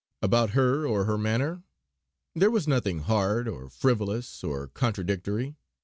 About her or her manner there was nothing hard, or frivolous or contradictory.